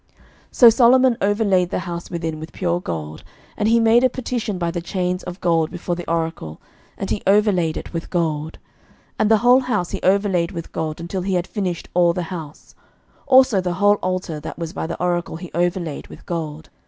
11:006:021 So Solomon overlaid the house within with pure gold: and he made a partition by the chains of gold before the oracle; and he overlaid it with gold. 11:006:022 And the whole house he overlaid with gold, until he had finished all the house: also the whole altar that was by the oracle he overlaid with gold.